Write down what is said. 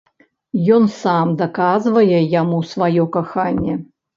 Ён сам даказвае яму сваё каханне.